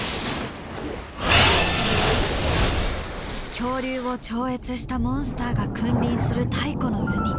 恐竜を超越したモンスターが君臨する太古の海。